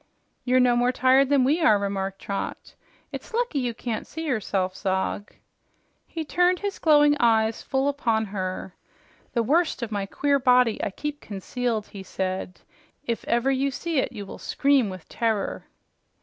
"You're no more tired than we are," remarked Trot. "It's lucky you can't see yourself, Zog." He turned his glowing eyes full upon her. "The worst of my queer body I keep concealed," he said. "If ever you see it, you will scream with terror."